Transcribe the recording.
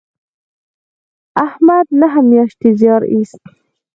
احمد نهه میاشتې زیار ایست.